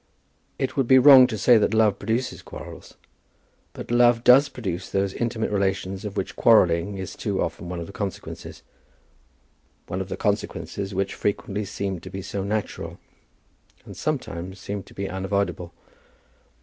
It would be wrong to say that love produces quarrels; but love does produce those intimate relations of which quarrelling is too often one of the consequences, one of the consequences which frequently seem to be so natural, and sometimes seem to be unavoidable.